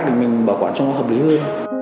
để mình bảo quản cho nó hợp lý hơn